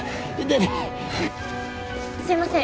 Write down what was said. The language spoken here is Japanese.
すいません。